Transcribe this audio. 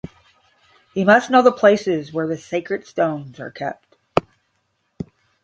He must know the places where the sacred stones are kept.